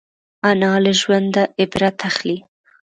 انا له ژونده عبرت اخلي